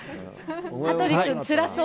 羽鳥君、つらそう。